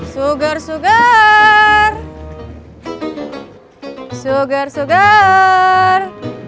sugar sugar sugar sugar